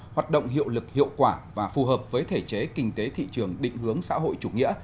hoạt động hiệu lực hiệu quả và phù hợp với thể chế kinh tế thị trường định hướng xã hội chủ nghĩa